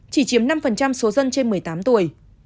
chỉ chiếm năm số dân trên một mươi tám tuổi